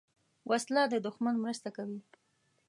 وسله د دوښمن مرسته کوي